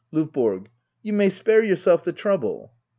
L&YBORO. You may spare yourself the trouble.